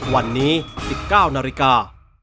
วันนี้๑๙นาฬิกา